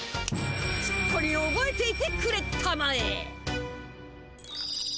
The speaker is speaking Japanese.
しっかりおぼえていてくれたまえ。